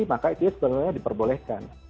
maka itu sebenarnya diperbolehkan